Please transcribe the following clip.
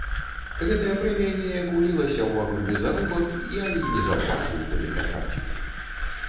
Гэтая прэмія неяк улілася ў агульны заробак, я і не заўважыў, куды патраціў.